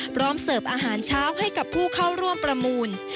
พร้อมเสิร์ฟอาหารเช้าให้กับผู้เข้าร่วมประมูล